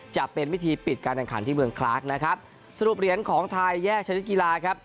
จะเป็นวิธีปิดการแข่งขันที่เมืองคลากนะครับสรุปเหรียญของไทยแยกชนิดกีฬาครับ